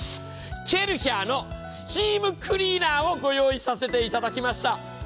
ケルヒャーのスチームクリーナーをご用意させていただきました。